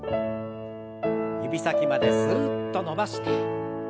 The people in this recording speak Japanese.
指先まですっと伸ばして。